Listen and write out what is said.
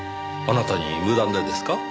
あなたに無断でですか？